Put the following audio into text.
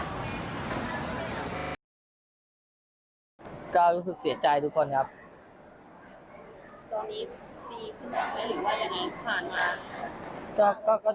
ก็รู้สึกเสียใจทุกคนครับตอนนี้ดีขึ้นจากไหนหรือว่ายังไง